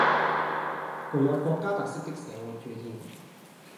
具有國家特色的社會主義